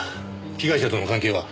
被害者との関係は？